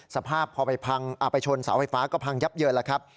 สภาพพอไปพังไปชนเสาไฟฟ้าก็พังยับเยินแล้วครับ